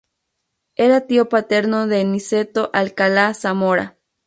Era tío paterno de Niceto Alcalá-Zamora.